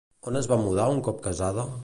On es va mudar un cop casada?